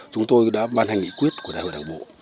chúng tôi đã ban hành nghị quyết của đại hội đảng bộ